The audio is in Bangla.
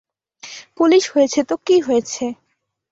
পুলিশ হয়েছে তো কী হয়েছে?